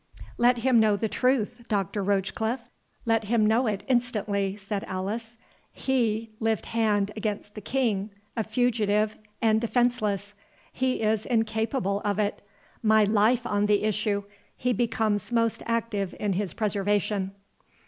"Let him know the truth, Doctor Rochecliffe, let him know it instantly," said Alice; "he lift hand against the King, a fugitive and defenceless! He is incapable of it. My life on the issue, he becomes most active in his preservation."